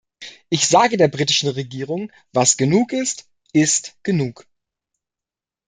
Ich sage der britischen Regierung, was genug ist, ist genug.